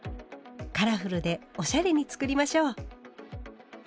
カラフルでおしゃれに作りましょう。